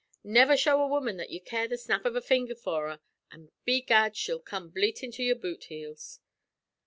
Never show a woman that ye care the snap av a finger for her, an', begad, she'll come bleatin' to your boot heels."